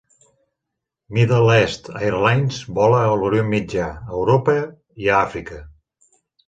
Middle East Airlines vola a l'Orient Mitjà, a Europa i a Àfrica.